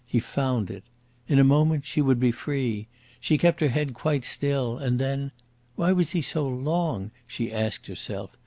He found it. In a moment she would be free. She kept her head quite still, and then why was he so long? she asked herself.